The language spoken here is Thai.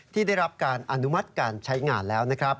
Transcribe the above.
ที่ได้รับการอนุมัติการใช้งานแล้วนะครับ